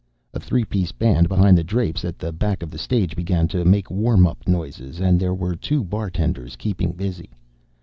A three piece band behind the drapes at the back of the stage began to make warm up noises and there were two bartenders keeping busy.